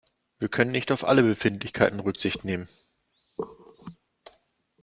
Wir können nicht auf alle Befindlichkeiten Rücksicht nehmen.